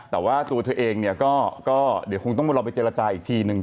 แต่ว่าตัวเธอเองเนี่ยก็เดี๋ยวคงต้องมารอไปเจรจาอีกทีนึง